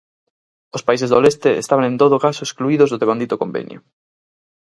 Os países do Leste estaban en todo caso excluídos do devandito convenio.